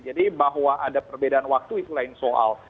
jadi bahwa ada perbedaan waktu itu lain soal